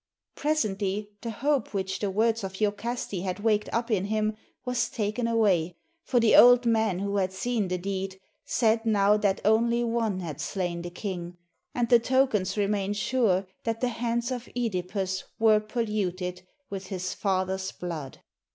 Presently the hope, which the words of lokaste had waked up in him was taken away ; for the old man who had seen the deed said now that one only had slain the king, and the tokens remained sure that the hands of (Edipus were polluted with his father's blood.